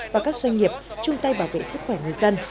và các doanh nghiệp chung tay bảo vệ sức khỏe người dân